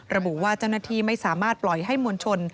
ระบุว่าเจ้าหน้าที่ไม่สามารถปล่อยให้มวลชน